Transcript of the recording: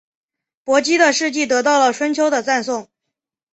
伯姬的事迹得到了春秋的赞颂。